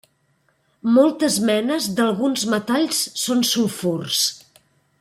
Moltes menes d'alguns metalls són sulfurs.